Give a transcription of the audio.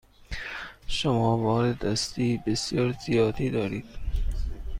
شما بار دستی بسیار زیادی دارید.